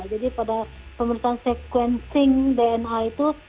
jadi pada pemerintahan sequencing dna itu